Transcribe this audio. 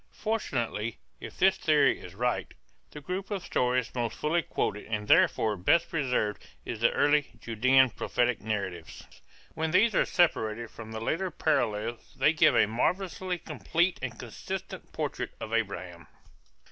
Fortunately, if this theory is right, the group of stories most fully quoted and therefore best preserved is the early Judean prophetic narratives. When these are separated from the later parallels they give a marvelously complete and consistent portrait of Abraham.